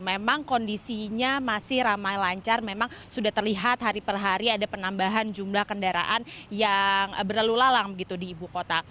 memang kondisinya masih ramai lancar memang sudah terlihat hari per hari ada penambahan jumlah kendaraan yang berlalu lalang begitu di ibu kota